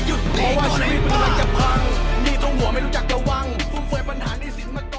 อืมใช่